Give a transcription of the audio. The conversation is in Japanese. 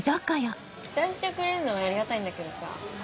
期待してくれるのはありがたいんだけどさ